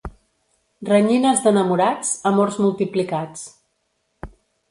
Renyines d'enamorats, amors multiplicats.